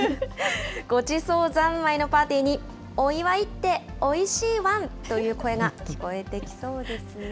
ごちそう三昧のパーティーに、お祝いって、おいしいワンという声が聞こえてきそうですね。